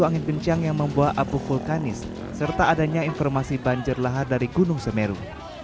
angin bencang yang membuat apuh vulkanis serta adanya informasi banjir lahar dari gunung semeru